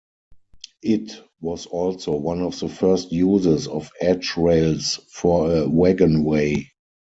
It was also one of the first uses of edge-rails for a wagonway.